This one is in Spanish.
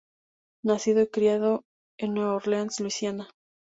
Nacido y criado en Nueva Orleans, Luisiana.